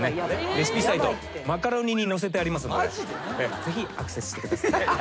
レシピサイトｍａｃａｒｏｎｉに載せてありますのでぜひアクセスしてください。